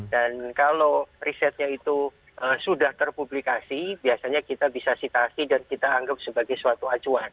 dan kalau risetnya itu sudah terpublikasi biasanya kita bisa citasi dan kita anggap sebagai suatu acuan